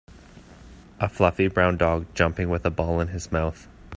A fluffy brown dog jumping with a ball in his mouth.